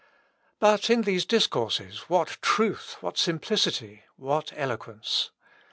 But in these discourses what truth! what simplicity! what eloquence!